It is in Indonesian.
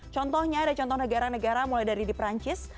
contohnya ada contoh negara negara mulai dari di perancis